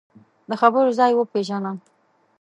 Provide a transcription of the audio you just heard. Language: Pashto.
د خبرو ځای وپېژنه